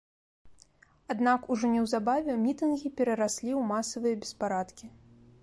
Аднак, ужо неўзабаве мітынгі перараслі ў масавыя беспарадкі.